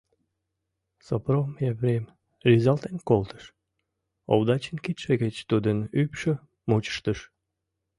Сопром Епрем рӱзалтен колтыш, Овдачин кидше гыч тудын ӱпшӧ мучыштыш.